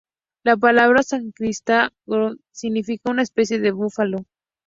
La palabra sánscrita gaur-Mriga significa una especie de búfalo.